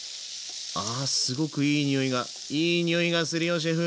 あすごくいいにおいがいいにおいがするよシェフ。